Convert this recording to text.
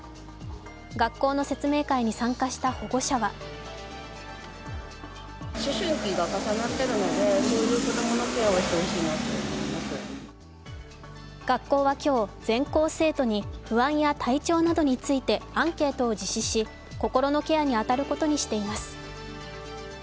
学校の説明会に参加した保護者は学校は今日、全校生徒に不安や体調などについてアンケートを実施し心のケアに当たることにしています。